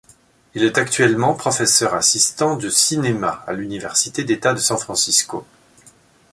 Il est actuellement professeur assistant de cinéma à l'université d'État de San Francisco.